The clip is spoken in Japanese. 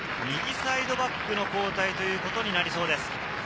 右サイドバックの交代ということになりそうです。